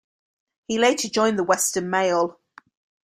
He later joined the "Western Mail".